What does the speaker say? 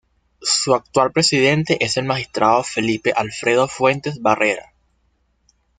Su actual presidente es el magistrado Felipe Alfredo Fuentes Barrera.